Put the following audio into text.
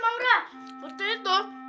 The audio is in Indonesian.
maura kalo bertenur